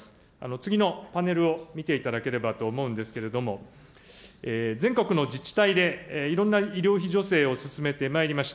次のパネルを見ていただければと思うんですけれども、全国の自治体でいろんな医療費助成を進めてまいりました。